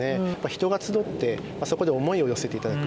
人が集ってそこで思いを寄せて頂く。